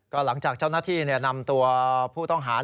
ก็หลังจากเจ้าหน้าที่นำตัวผู้ต้องหา